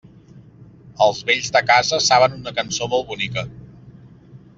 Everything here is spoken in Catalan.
Els vells de casa saben una cançó molt bonica.